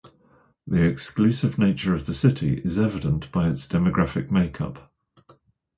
The exclusive nature of the city is evident by its demographic makeup.